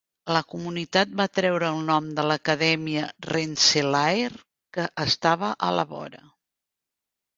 La comunitat va treure el nom de l'Acadèmia Rensselaer, que estava a la vora.